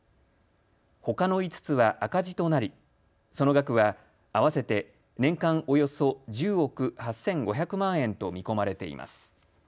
ほかの５つは赤字となり、その額は合わせて年間およそ１０億８５００万円と見込まれています。